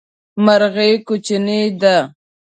مرغی کوچنی ده